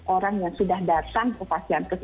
orang yang sudah datang ke pasienkes